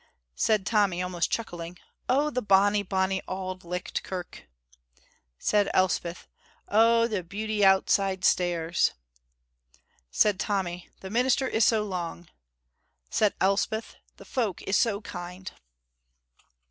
Said Tommy, almost chuckling, "Oh, the bonny, bonny Auld Licht Kirk!" Said Elspeth, "Oh, the beauty outside stairs!" Said Tommy, "The minister is so long!" Said Elspeth, "The folk is so kind!"